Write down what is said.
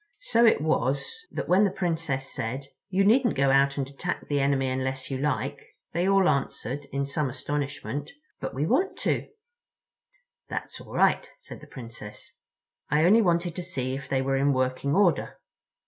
So it was that when the Princess said: "You needn't go out and attack the enemy unless you like," they all answered, in some astonishment: "But we want to." "That's all right," said the Princess. "I only wanted to see if they were in working order."